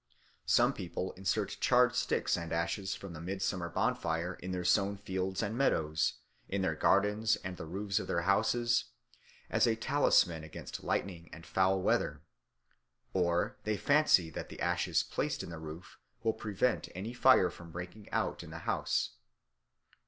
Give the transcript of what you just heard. Some people insert charred sticks and ashes from the midsummer bonfire in their sown fields and meadows, in their gardens and the roofs of their houses, as a talisman against lightning and foul weather; or they fancy that the ashes placed in the roof will prevent any fire from breaking out in the house.